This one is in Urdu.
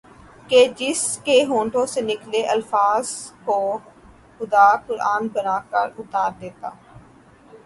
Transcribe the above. کہ جس کے ہونٹوں سے نکلے الفاظ کو خدا قرآن بنا کر اتار دیتا